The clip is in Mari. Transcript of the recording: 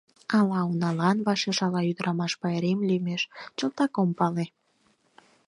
Ала уналан вашеш, ала Ӱдырамаш пайрем лӱмеш — чылтак ом пале.